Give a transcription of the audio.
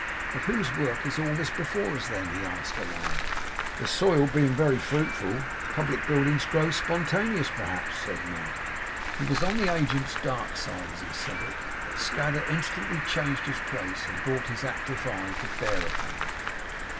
But whose work is all this before us, then?' he asked aloud. 'The soil being very fruitful, public buildings grows spontaneous, perhaps,' said Mark. He was on the agent's dark side as he said it; but Scadder instantly changed his place, and brought his active eye to bear upon him.